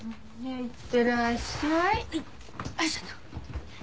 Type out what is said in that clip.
いってらっしゃい。